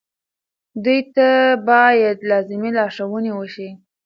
دوی ته باید لازمې لارښوونې وشي.